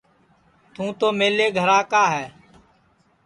توں تو میلے گھرا کا ہے